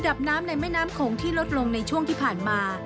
ับน้ำในแม่น้ำโขงที่ลดลงในช่วงที่ผ่านมา